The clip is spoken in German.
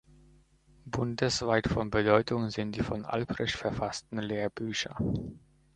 Bundesweit von Bedeutung sind die von Albrecht verfassten Lehrbücher.